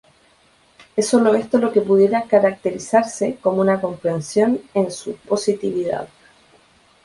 Es sólo esto lo que pudiera caracterizarse como una comprensión en su positividad.